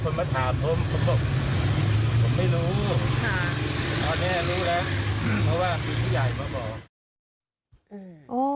ตอนนี้รู้แล้วเพราะว่าผู้ใหญ่มาบอก